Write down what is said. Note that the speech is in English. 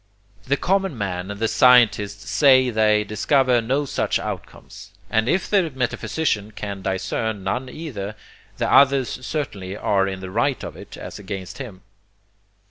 The common man and the scientist say they discover no such outcomes, and if the metaphysician can discern none either, the others certainly are in the right of it, as against him.